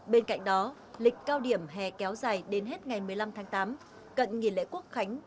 bên cạnh đó lịch cao điểm hè kéo dài đến hết ngày một mươi năm tháng tám cận nghỉ lễ quốc khánh